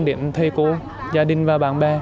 đến thầy cô gia đình và bạn bè